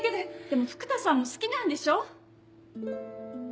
でも福多さんも好きなんでしょ？